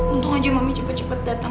untung aja mami cepet cepet datang